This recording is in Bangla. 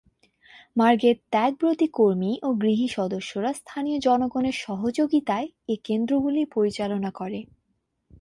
মার্গের ত্যাগব্রতী কর্মী ও গৃহী সদস্যরা স্থানীয় জনগণের সহযোগিতায় এ কেন্দ্রগুলি পরিচালনা করে।